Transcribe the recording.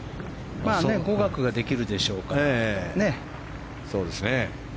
語学ができるでしょうからね。